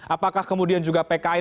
apakah kemudian juga pkn